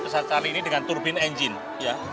pesawat charlie ini dengan turbin engine